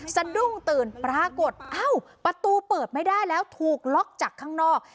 สะดุ้งตื่นปรากฏเอ้าประตูเปิดไม่ได้แล้วถูกล็อกจากข้างนอก